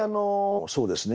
そうですね